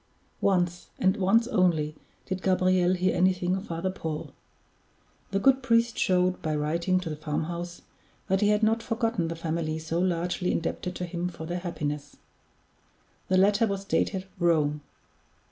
Once, and once only, did Gabriel hear anything of Father Paul. The good priest showed, by writing to the farmhouse, that he had not forgotten the family so largely indebted to him for their happiness. The letter was dated "Rome."